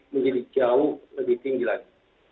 menjadi jauh lebih tinggi lagi